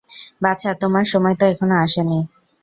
বাছা, তোমার সময় তো এখনো আসেনি।